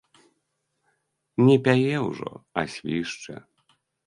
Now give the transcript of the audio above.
Не пяе ўжо, а свішча.